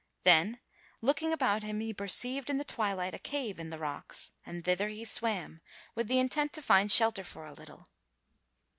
Then, looking about him, he perceived in the twilight a cave in the rocks, and thither he swam with the intent to find shelter for a little.